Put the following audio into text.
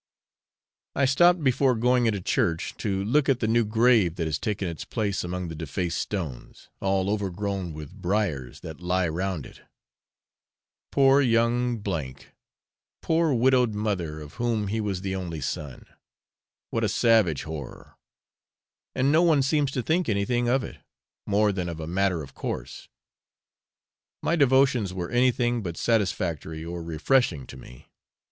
I stopped before going into church to look at the new grave that has taken its place among the defaced stones, all overgrown with briers, that lie round it. Poor young W ! poor widowed mother, of whom he was the only son! What a savage horror! And no one seems to think anything of it, more than of a matter of course. My devotions were anything but satisfactory or refreshing to me.